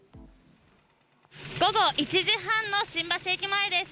午後１時半の新橋駅前です。